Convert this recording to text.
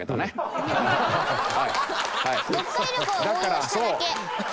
読解力を応用しただけ。